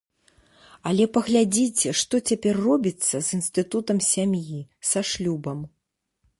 Але паглядзіце, што цяпер робіцца з інстытутам сям'і, са шлюбам.